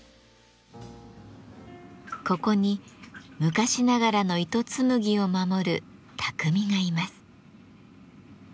ここに昔ながらの糸紡ぎを守る匠がいます。